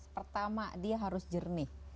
pertama dia harus jernih